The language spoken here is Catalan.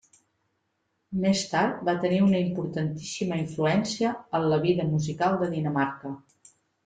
Més tard va tenir una importantíssima influència en la vida musical de Dinamarca.